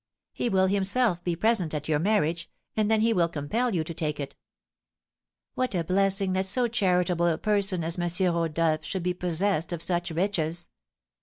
He will himself be present at your marriage, and then he will compel you to take it.'" "What a blessing that so charitable a person as M. Rodolph should be possessed of such riches!"